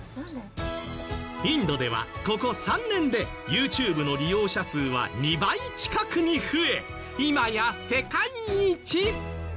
インドではここ３年でＹｏｕＴｕｂｅの利用者数は２倍近くに増え今や世界一！